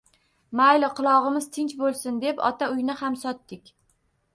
Mayli qulog`imiz tinch bo`lsin deb ota uyni ham sotdik